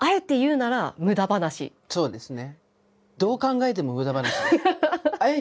そうですね。